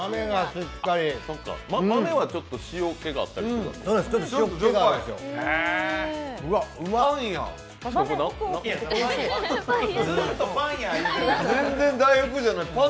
豆はちょっと塩気があったりするんですか？